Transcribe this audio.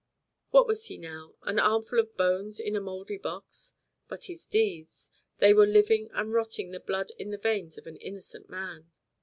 What was he now? An armful of bones in a mouldy box. But his deeds they were living and rotting the blood in the veins of an innocent man.